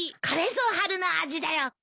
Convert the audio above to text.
これぞ春の味だよ。